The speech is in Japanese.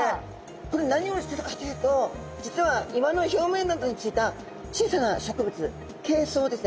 これ何をしてるかというと実は岩の表面などについた小さな植物ケイソウですね